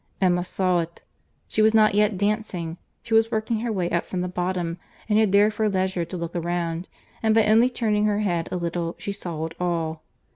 —Emma saw it. She was not yet dancing; she was working her way up from the bottom, and had therefore leisure to look around, and by only turning her head a little she saw it all.